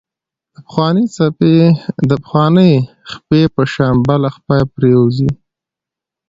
د پخوانۍ خپې په شان بله خپه پرېوځي.